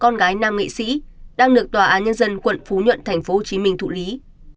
nam nghệ sĩ đang được tòa án nhân dân quận phú nhuận tp hcm thụ lý